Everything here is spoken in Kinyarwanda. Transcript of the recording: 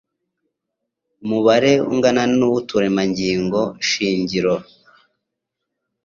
umubare ungana w'uturemangingo shingiro